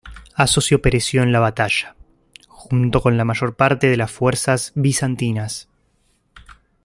Asocio pereció en la batalla, junto con la mayor parte de las fuerzas bizantinas.